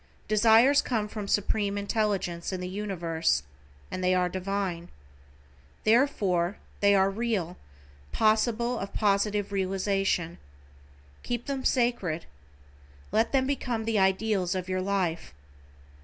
Desires come from Supreme Intelligence in the Universe, and they are divine. Therefore, they are real, possible of positive realization. Keep them sacred. Let them become the ideals of your life.